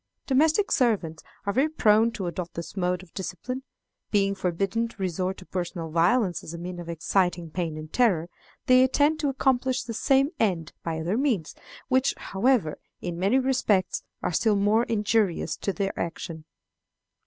Domestic servants are very prone to adopt this mode of discipline. Being forbidden to resort to personal violence as a means of exciting pain and terror, they attempt to accomplish the same end by other means, which, however, in many respects, are still more injurious in their action.